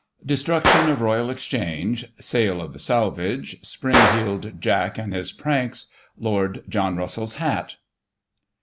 Destruction of Royal Exchange — Sale of the salvage — Spring heeled Jack and his pranks — Lord John Russell's hat.